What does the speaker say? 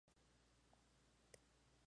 Desconocemos su fecha exacta de nacimiento.